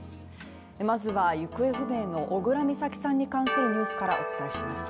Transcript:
まずは行方不明の小倉美咲さんに関するニュースからお伝えします。